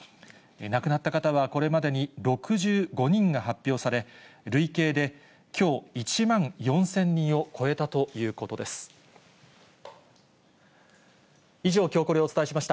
亡くなった方はこれまでに６５人が発表され、１万４０００人を超えたということです。